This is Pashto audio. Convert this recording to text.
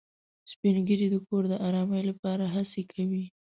سپین ږیری د کور د ارامۍ لپاره هڅې کوي